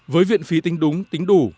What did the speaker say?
với viện phí tính đúng tính đủ